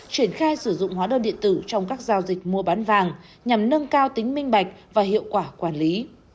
triển khai sử dụng hóa đơn điện tử trong các giao dịch mua bán vàng nhằm nâng cao tính minh bạch và hiệu quả quản lý